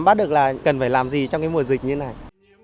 phát được là cần phải làm gì trong cái mùa dịch như thế này